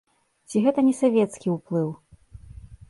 Ці гэта не савецкі ўплыў?